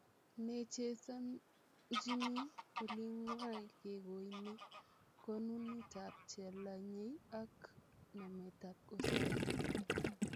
nechesanchini olingwai kekoini konunat chelanyei ak namet ap osoya